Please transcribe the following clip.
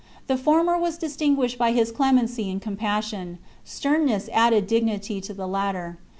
The for mer was distinguished by his clemency and compas sion ; sternness added dignity to the latter.